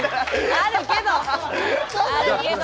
あるけど！